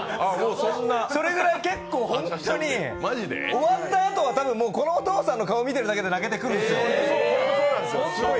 それくらい結構、ホントに終わったあとはこのお父さんの顔を見てるだけで泣けてくるんですよ。